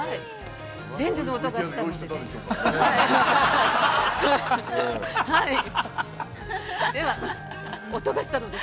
◆レンジの音がしたので。